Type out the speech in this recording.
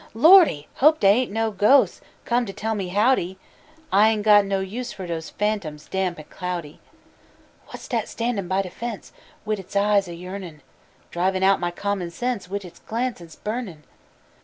Lordy! hope dey ain't no ghos' Come to tell me howdy. I ain't got no use for those Fantoms damp an' cloudy. Whass dat standin' by de fence Wid its eyes a yearnin', Drivin' out mah common sense Wid its glances burnin'?